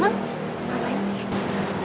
kamu ngapain sih